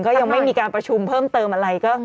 ก็ยังไม่มีการประชุมเพิ่มเติมอะไร